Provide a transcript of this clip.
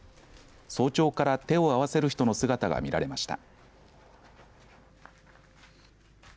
早朝から手を合わせる人の姿が見られました。